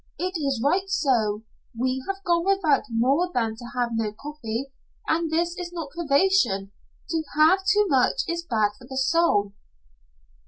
It is right so. We have gone without more than to have no coffee, and this is not privation. To have too much is bad for the soul."